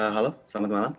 halo selamat malam